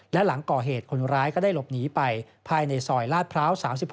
และหลังก่อเหตุคนร้ายก็ได้หลบหนีไปภายในซอยลาดพร้าว๓๖